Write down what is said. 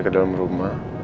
ke dalam rumah